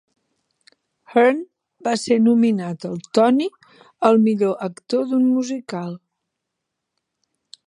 Hearn va ser nominat al Tony al millor actor d'un musical.